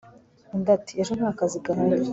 undi ati ejo ntakazi gahari